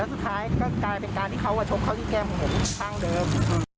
สุดท้ายก็กลายเป็นการที่เขาชกเขาที่แก้มของผมข้างเดิม